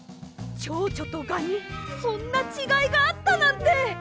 チョウチョとガにそんなちがいがあったなんて！